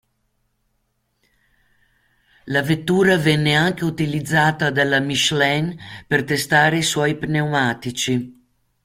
La vettura venne anche utilizzata dalla Michelin per testare i suoi pneumatici.